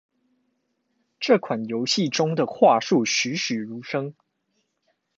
這款遊戲中的樺樹栩詡如生